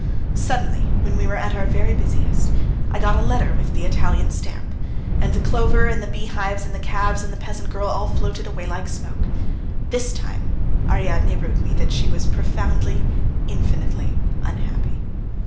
Suddenly when we were at our very busiest, I got a letter with the Italian stamp, and the clover and the beehives and the calves and the peasant girl all floated away like smoke. This time Ariadne wrote that she was profoundly, infinitely unhappy.